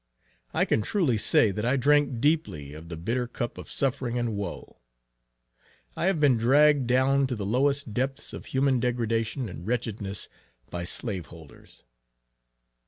I can truly say, that I drank deeply of the bitter cup of suffering and woe. I have been dragged down to the lowest depths of human degradation and wretchedness, by Slaveholders.